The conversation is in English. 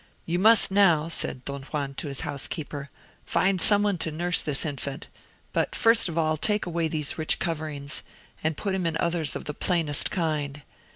"You must, now," said Don Juan to his housekeeper, "find some one to nurse this infant; but first of all take away these rich coverings, and put on him others of the plainest kind.